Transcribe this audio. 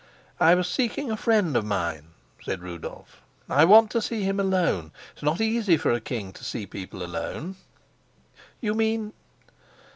"I was seeking a friend of mine," said Rudolf. "I want to see him alone. It's not easy for a king to see people alone." "You mean